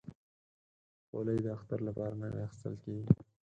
خولۍ د اختر لپاره نوي اخیستل کېږي.